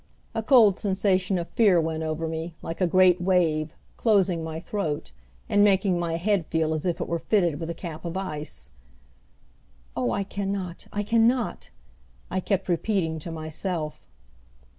A cold sensation of fear went over me, like a great wave, closing my throat, and making my head feel as if it were fitted with a cap of ice. "Oh, I can not, I can not!" I kept repeating to myself.